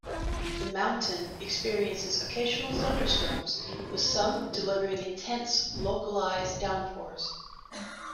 The mountain experiences occasional thunderstorms with some delivering intense, localized downpours.